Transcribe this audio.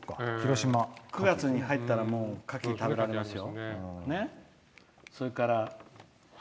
９月に入ったらカキ食べられますよ。